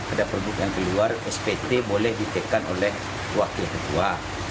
ada produk yang keluar spt boleh ditekan oleh wakil ketua